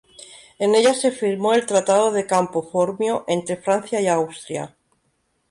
En ella se firmó el Tratado de Campo Formio entre Francia y Austria.